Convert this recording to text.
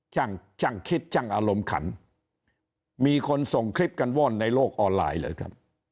ช่างช่างคิดช่างอารมณ์ขันมีคนส่งคลิปกันว่อนในโลกออนไลน์เลยครับ